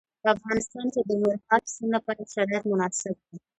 په افغانستان کې د مورغاب سیند لپاره شرایط مناسب دي.